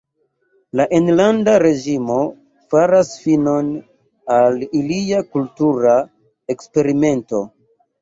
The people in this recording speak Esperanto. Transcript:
La enlanda reĝimo faras finon al ilia kultura eksperimento.